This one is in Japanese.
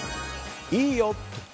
いいよ！